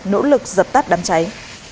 nỗ lực dập tắt đám cháy